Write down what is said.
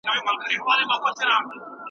موږ باید له قانون سره سم عمل وکړو.